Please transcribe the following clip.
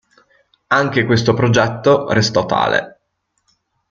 Anche questo progetto restò tale.